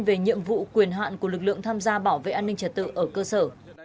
về nhiệm vụ quyền hạn của lực lượng tham gia bảo vệ an ninh trật tự ở cơ sở